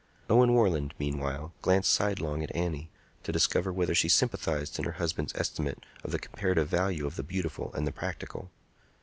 Owen Warland, meanwhile, glanced sidelong at Annie, to discover whether she sympathized in her husband's estimate of the comparative value of the beautiful and the practical.